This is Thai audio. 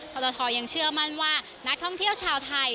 ทรทยังเชื่อมั่นว่านักท่องเที่ยวชาวไทย